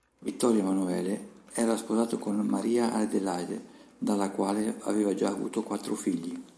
Vittorio Emanuele era sposato con Maria Adelaide dalla quale aveva già avuto quattro figli.